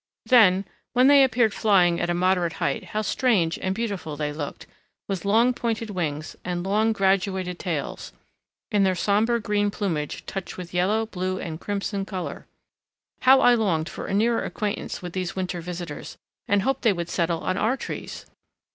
Then, when they appeared flying at a moderate height, how strange and beautiful they looked, with long pointed wings and long graduated tails, in their sombre green plumage touched with yellow, blue, and crimson colour! How I longed for a nearer acquaintance with these winter visitors and hoped they would settle on our trees!